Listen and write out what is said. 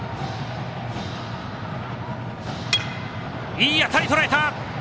いい当たり、とらえた！